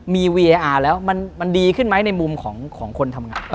มันดีขึ้นไหมในมุมของคนทำงาน